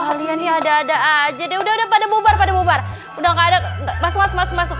kalian ya ada ada aja deh udah pada bubar bubar udah enggak ada masuk masuk masuk masuk